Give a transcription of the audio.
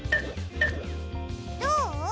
どう？